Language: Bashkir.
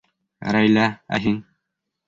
Рәйлә, ә һин?